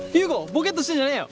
ボケっとしてんじゃねえよ！